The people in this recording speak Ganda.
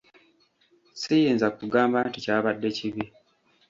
Siyinza kugamba nti kyabadde kibi.